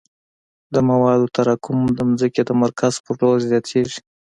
د موادو تراکم د ځمکې د مرکز په لور زیاتیږي